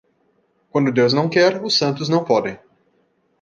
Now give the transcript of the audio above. Quando Deus não quer, os santos não podem.